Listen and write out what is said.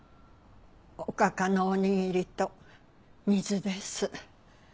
おかかのおにぎりと水です。